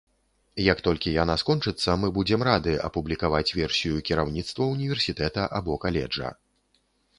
Як толькі яна скончыцца, мы будзем рады апублікаваць версію кіраўніцтва універсітэта або каледжа.